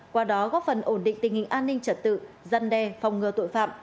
qua đó góp phần ổn định tình hình an ninh trật tự dân đe phòng ngừa tội phạm